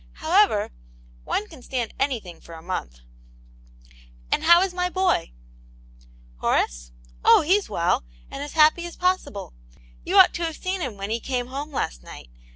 However, one can stand anything for a month." " And how is my boy ?"" Horace ? Oh, he*s well, and as happy as pos sible. You ought to have seen him when he came home last night